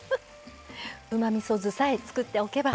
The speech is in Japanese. うまみそ酢さえ作っておけば。